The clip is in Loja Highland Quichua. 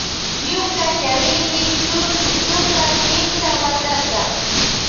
Ñuka charini chusku chunka kimsa watata.